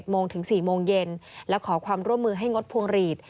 โมงถึง๔โมงเย็นและขอความร่วมมือให้งดพวงหลีด